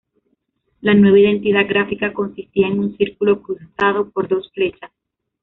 La nueva identidad gráfica consistía en un círculo cruzado por dos flechas.